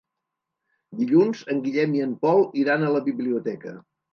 Dilluns en Guillem i en Pol iran a la biblioteca.